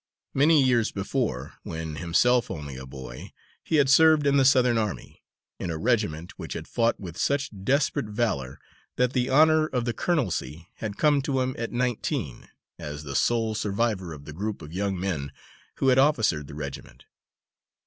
Many years before, when himself only a boy, he had served in the Southern army, in a regiment which had fought with such desperate valour that the honour of the colonelcy had come to him at nineteen, as the sole survivor of the group of young men who had officered the regiment.